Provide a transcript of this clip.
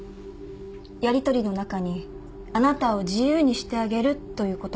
やりとりの中に「あなたを自由にしてあげる」という言葉が。